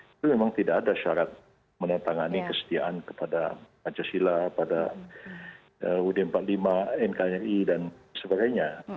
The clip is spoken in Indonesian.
itu memang tidak ada syarat menantangani kesetiaan kepada pancasila pada ud empat puluh lima nkri dan sebagainya